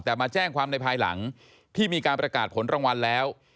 แต่มาแจ้งความในภายหลังที่มีการประกาศผลรางวัลแล้ว